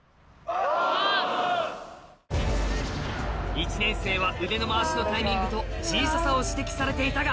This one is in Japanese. １年生は腕の回しのタイミングと小ささを指摘されていたが